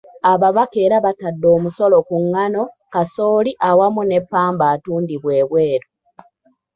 Ababaka era batadde omusolo ku ngano, kasooli awamu ne ppamba atundibwa ebweru.